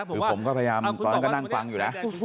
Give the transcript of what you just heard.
คือผมก็พยายามตอนนั้นก็นั่งฟังอยู่นะ